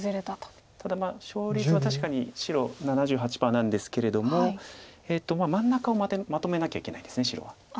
ただ勝率は確かに白７８％なんですけれども真ん中をまとめなきゃいけないです白は。